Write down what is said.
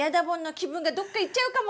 気分がどっかいっちゃうかも！